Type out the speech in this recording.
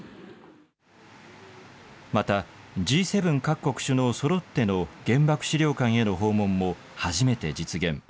また、Ｇ７各国首脳そろっての原爆資料館への訪問も初めて実現。